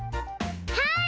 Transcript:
はい！